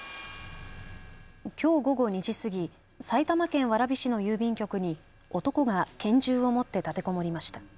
きょう午後２時過ぎ埼玉県蕨市の郵便局に男が拳銃を持って立てこもりました。